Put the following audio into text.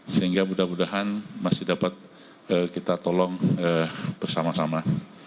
sehingga mudah mudahan masih dapat kita tolong bersama sama